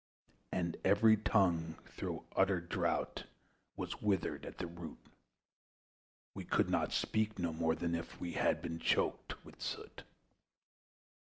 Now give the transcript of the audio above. And every tongue, through utter drought, Was withered at the root; We could not speak, no more than if We had been choked with soot.